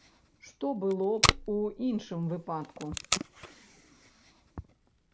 Што было б у іншым выпадку?